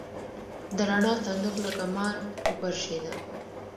د رڼا صندوق لکه مار وپرشېده.